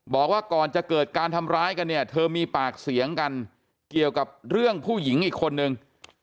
บอกว่าก่อนจะเกิดการทำร้ายกันเนี่ยเธอมีปากเสียงกันเกี่ยวกับเรื่องผู้หญิงอีกคนนึง